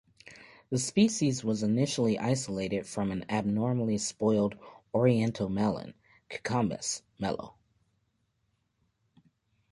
The species was initially isolated from an abnormally spoiled oriental melon ("Cucumis melo").